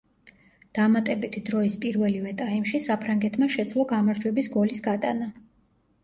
დამატებითი დროის პირველივე ტაიმში საფრანგეთმა შეძლო გამარჯვების გოლის გატანა.